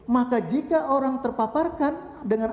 maka jika orang terpaparkan dengan